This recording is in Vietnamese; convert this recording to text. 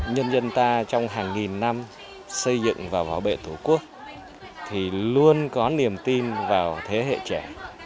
nhân dân ta trong hàng nghìn năm xây dựng và bảo vệ tổ quốc thì luôn có niềm tin vào thế hệ trẻ